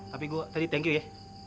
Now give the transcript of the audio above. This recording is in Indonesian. tapi gue tadi thank you ya